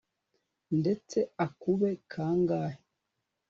ndetse akube kangahe